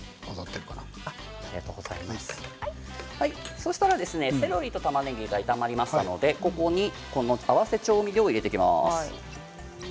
そうしたらセロリとたまねぎが炒まりましたのでここに合わせ調味料を入れていきます。